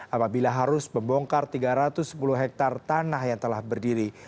apabila harus membongkar tiga ratus sepuluh hektare tanah yang telah berdiri